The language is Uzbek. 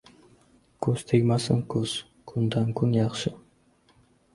Ko‘z tegmasin ko‘z, kundan kun yaxshi.